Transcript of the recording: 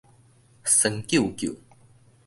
酸糾糾